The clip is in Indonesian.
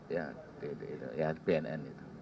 ya bpn itu